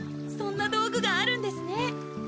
そんな道具があるんですね。